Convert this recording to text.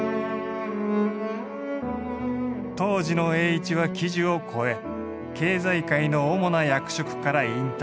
当時の栄一は喜寿を超え経済界の主な役職から引退。